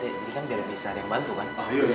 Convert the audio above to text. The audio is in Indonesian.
jadi kan biar bisa ada yang bantu kan